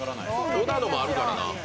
小田のもあるからな。